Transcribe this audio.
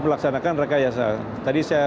melaksanakan rekayasa tadi saya